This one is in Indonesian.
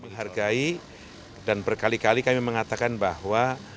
menghargai dan berkali kali kami mengatakan bahwa